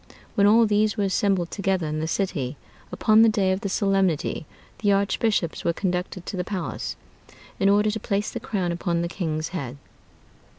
When all these were assembled together in the city, upon the day of the solemnity, the archbishops were conducted to the palace, in order to place the crown upon the king's head.